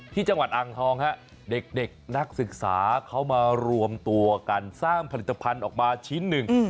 ที่จังหวัดอ่างทองฮะเด็กนักศึกษาเขามารวมตัวกันสร้างผลิตภัณฑ์ออกมาชิ้นหนึ่ง